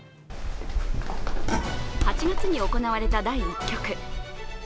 ８月に行われた第１局。